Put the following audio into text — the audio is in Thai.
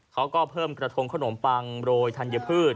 เขาก็เพิ่มกระทงขนมปังโรยธัญพืช